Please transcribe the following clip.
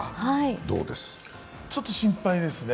ちょっと心配ですね。